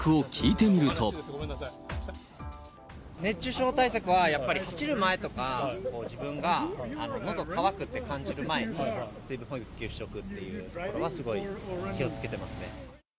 熱中症対策はやっぱり走る前とか、自分がのど渇くって感じる前に水分補給しておくっていうことは、すごい気をつけてますね。